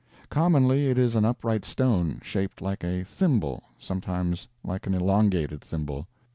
Commonly it is an upright stone, shaped like a thimble sometimes like an elongated thimble.